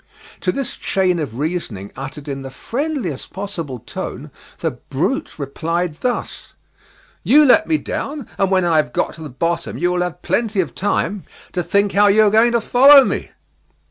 To this chain of reasoning uttered in the friendliest possible tone, the brute replied thus: "You let me down, and when I have got to the bottom you will have plenty of time to think how you are going to follow me."